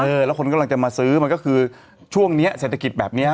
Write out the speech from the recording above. แล้วคนกำลังจะมาซื้อมันก็คือช่วงนี้เศรษฐกิจแบบเนี้ยฮะ